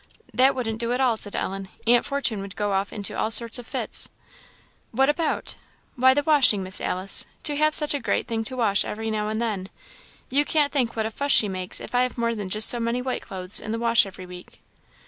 "That wouldn't do at all," said Ellen; "Aunt Fortune would go off into all sorts of fits." "What about?" "Why, the washing, Miss Alice to have such a great thing to wash every now and then. You can't think what a fuss she makes if I have more than just so many white clothes in the wash every week."